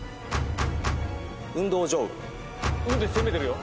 「う」で攻めてるよ。